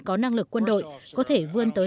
có năng lực quân đội có thể vươn tới